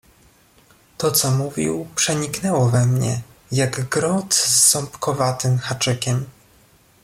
"To co mówił przeniknęło we mnie, jak grot z ząbkowatym haczykiem."